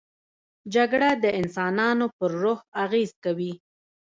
جګړه د انسانانو پر روح اغېز کوي